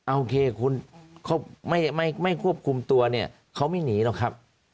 โอเคคุณเขาไม่ควบคุมตัวเนี่ยเขาไม่หนีหรอกครับ